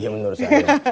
iya menurut saya